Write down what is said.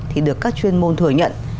thì được các chuyên môn thừa nhận